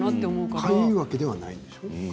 かゆいわけではないでしょ？